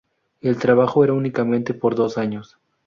El trabajo era únicamente por dos años.